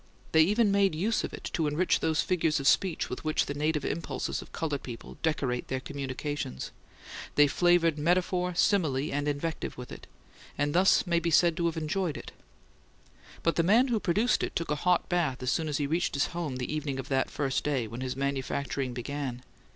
They even made use of it to enrich those figures of speech with which the native impulses of coloured people decorate their communications: they flavoured metaphor, simile, and invective with it; and thus may be said to have enjoyed it. But the man who produced it took a hot bath as soon as he reached his home the evening of that first day when his manufacturing began.